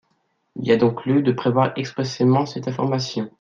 Il y a donc lieu de prévoir expressément cette information.